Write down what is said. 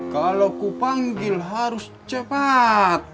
kalau aku panggil harus cepat